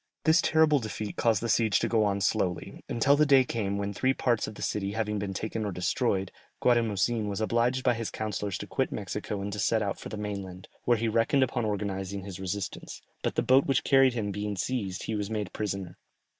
This terrible defeat caused the siege to go on slowly, until the day came when three parts of the city having been taken or destroyed, Guatimozin was obliged by his councillors to quit Mexico and to set out for the mainland, where he reckoned upon organizing his resistance, but the boat which carried him being seized he was made prisoner.